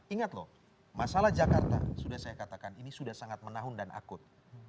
ingat loh masalah jakarta sudah saya katakan ini sudah sangat menahun dan akut